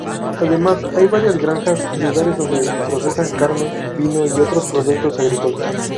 Además, hay varias granjas y lugares donde procesan carne, vino y otros productos agrícolas.